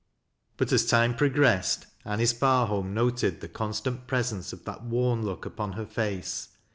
jii^ But as time progressed, Anice Barliolm noted the coii staut presence of that worn look upon hor face.